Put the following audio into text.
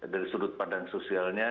dari sudut pandang sosialnya